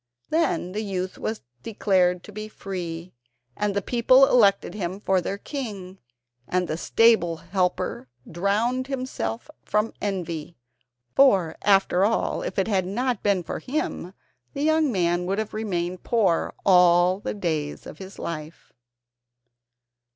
Then the youth was declared to be free, and the people elected him for their king; and the stable helper drowned himself from envy, for, after all, if it had not been for him the young man would have remained poor all the days of his life.